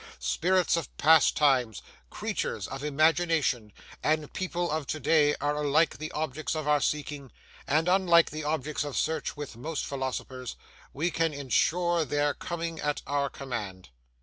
Spirits of past times, creatures of imagination, and people of to day are alike the objects of our seeking, and, unlike the objects of search with most philosophers, we can insure their coming at our command.